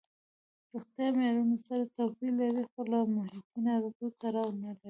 روغتیايي معیارونه سره توپیر لري خو له محیطي ناروغیو تړاو نه لري.